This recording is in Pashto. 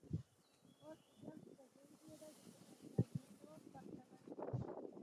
مور کېدل د فضايي بېړۍ د قوماندانېدو پرتله ګران دی.